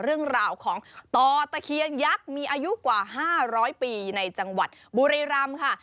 เรื่องราวของต่อตะเคียนยักษ์มีอายุกว่า๕๐๐ปีในจังหวัดบุรีรำค่ะ